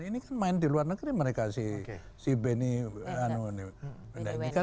ini kan main di luar negeri mereka si benny